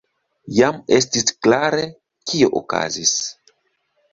Jam estis klare, kio okazis.